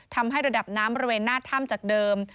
ทำให้ระดับน้ำบริเวณหน้าถ้ำจากเดิม